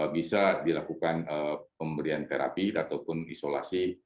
bisa dilakukan pemberian terapi ataupun isolasi